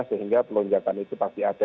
sehingga pelonjakan itu pasti ada